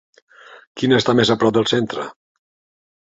Quina està més a prop del centre?